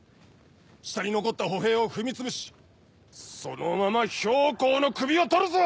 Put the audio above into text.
下に残った歩兵を踏みつぶしそのまま公の首を取るぞ！